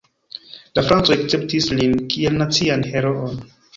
La francoj akceptis lin kiel nacian heroon.